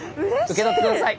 受け取って下さい！